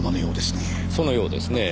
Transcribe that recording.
そのようですねぇ。